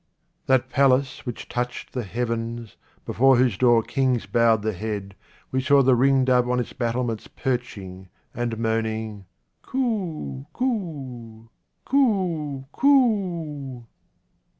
That palace which touched the heavens, before whose door kings bowed the head, we 81 F QUATRAINS OF OMAR KHAYYAM saw the ringdove on its battlements perching, and moaning, " Coo ! coo ! coo ! coo